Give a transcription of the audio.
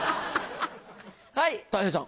はいたい平さん。